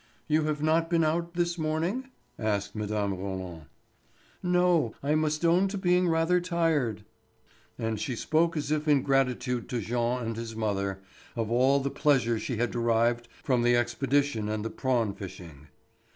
"You have not been out this morning?" asked Mme. Roland. "No. I must own to being rather tired." And she spoke as if in gratitude to Jean and his mother, of all the pleasure she had derived from the expedition and the prawn fishing.